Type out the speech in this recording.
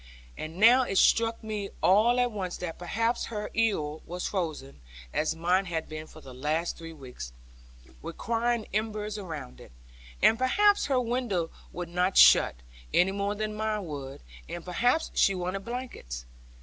And now it struck me all at once that perhaps her ewer was frozen (as mine had been for the last three weeks, requiring embers around it), and perhaps her window would not shut, any more than mine would; and perhaps she wanted blankets.